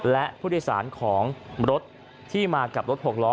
และผู้โดยสารของรถที่มากับรถ๖ล้อ